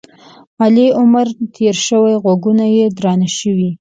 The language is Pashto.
علي عمر تېر شوی؛ غوږونه یې درانه شوي.